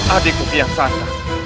adikku kian santang